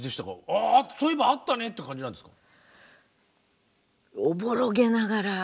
ああそういえばあったねって感じなんですか？